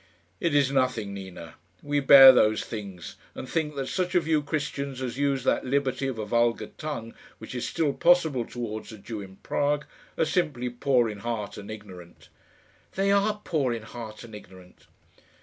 "It is nothing, Nina. We bear those things, and think that such of you Christians as use that liberty of a vulgar tongue, which is still possible towards a Jew in Prague, are simply poor in heart and ignorant." "They are poor in heart and ignorant."